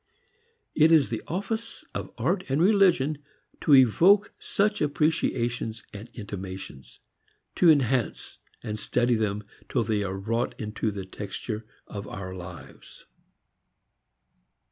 It is the office of art and religion to evoke such appreciations and intimations; to enhance and steady them till they are wrought into the texture of our lives.